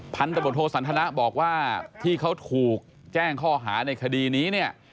พันธบทโทสันทนะบอกว่าที่เขาถูกแจ้งข้อหาในคดีนี้เนี่ย